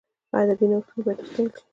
ادبي نوښتونه باید وستایل سي.